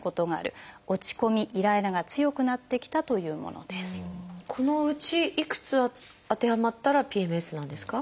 上からこのうちいくつ当てはまったらＰＭＳなんですか？